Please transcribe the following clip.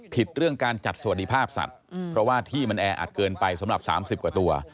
เรื่องการจัดสวัสดิภาพสัตว์เพราะว่าที่มันแออัดเกินไปสำหรับ๓๐กว่าตัว